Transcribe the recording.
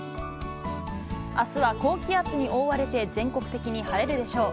あすは高気圧に覆われて、全国的に晴れるでしょう。